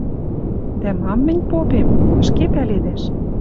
Дӓ мам мӹнь попем? Ӹшке пӓледӓш: